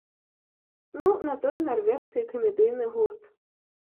Ну, на тое нарвежцы і камедыйны гурт.